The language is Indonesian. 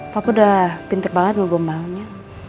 papa udah pinter banget ngebombangnya